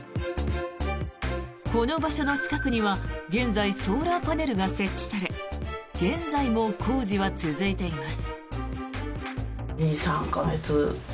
この場所の近くには現在、ソーラーパネルが設置され現在も工事は続いています。